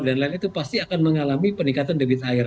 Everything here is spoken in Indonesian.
dan lain lain itu pasti akan mengalami peningkatan debit air